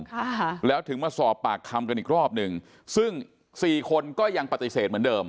ค่ะแล้วถึงมาสอบปากคำกันอีกรอบหนึ่งซึ่งสี่คนก็ยังปฏิเสธเหมือนเดิม